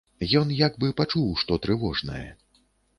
Ён як бы пачуў што трывожнае.